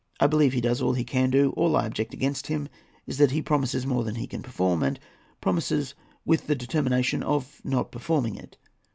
I believe he does all he can do; all I object against him is that he promises more than he can perform, and promises with the determination of not performing it.